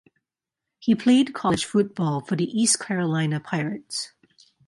He played college football for the East Carolina Pirates.